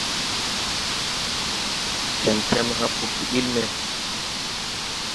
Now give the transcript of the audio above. Kemkem hãã fuggi ɓil me.